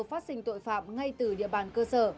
phát sinh tội phạm ngay từ địa bàn cơ sở